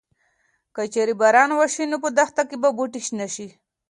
که چېرې باران وشي نو په دښته کې به بوټي شنه شي.